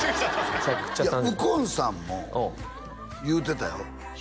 めちゃくちゃ頼んでいや右近さんも言うてたよ